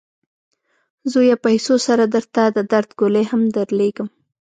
زویه! پیسو سره درته د درد ګولۍ هم درلیږم.